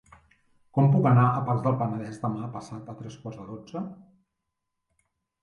Com puc anar a Pacs del Penedès demà passat a tres quarts de dotze?